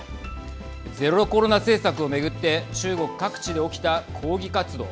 ゼロコロナ政策を巡って中国各地で起きた抗議活動。